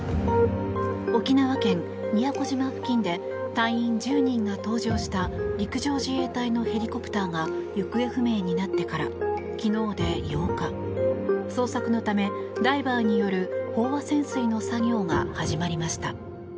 沖縄県宮古島付近で隊員１０人が搭乗した陸上自衛隊のヘリコプターが行方不明になってから昨日で８日捜索のためダイバーによる飽和潜水の作業が始まりました。